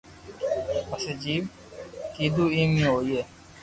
پسي جيم ڪيئو ايم اي ھوئي